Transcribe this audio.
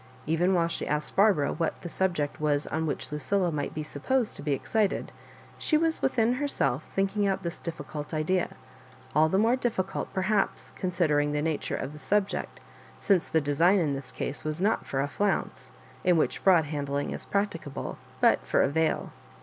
Even while she asked Barbara what the subject was on which Lucilla might be supposed to be excited, she was within herself thinking out this difficult idea— all the more difficult, • perhaps, oonsideriog the nature of the subject, since the design in this case was not for a flounce, in which broad handling is practicable, but for a veil.